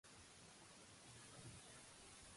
És la moderna Sigüenza.